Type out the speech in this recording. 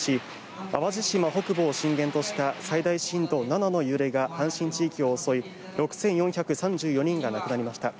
淡路島北部を震源とした最大震度７の揺れが阪神地域を襲い６４３４人が亡くなりました。